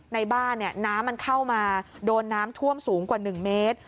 ในบ้านน้ำมันเข้ามาโดนน้ำท่วมสูงกว่า๑เมตร